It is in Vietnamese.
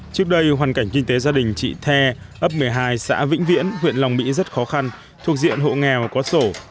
trước đây hoàn cảnh kinh tế gia đình chị the ấp một mươi hai xã vĩnh viễn huyện long mỹ rất khó khăn thuộc diện hộ nghèo có sổ